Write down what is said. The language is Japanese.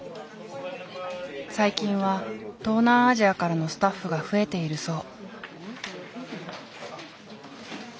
最近は東南アジアからのスタッフが増えているそう。